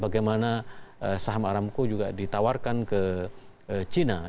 bagaimana saham aramco juga ditawarkan ke china